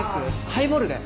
ハイボールで。